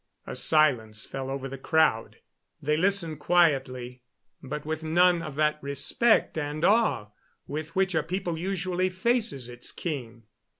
A silence fell over the crowd; they listened quietly, but with none of that respect and awe with which a people usually faces its king.